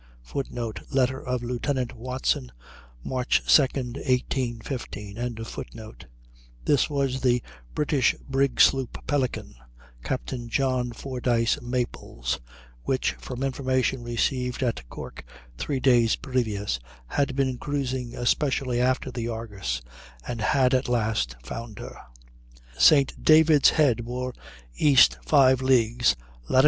[Footnote: Letter of Lieutenant Watson, March 2, 1815.] This was the British brig sloop Pelican, Captain John Fordyce Maples, which, from information received at Cork three days previous, had been cruising especially after the Argus, and had at last found her; St. David's Head bore east five leagues (lat.